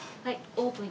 オープン。